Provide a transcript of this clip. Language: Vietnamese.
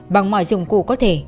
bằng mọi dụng cụ có thể